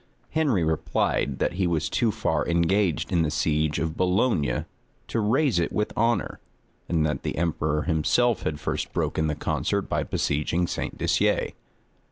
Henry replied, that he was too far engaged in the siege of Boulogne to raise it with honor, and that the emperor himself had first broken the concert by besieging St. Disier.